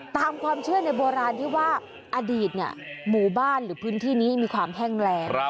ตามความเชื่อในโบราณที่ว่าอดีตหมู่บ้านหรือพื้นที่นี้มีความแห้งแรง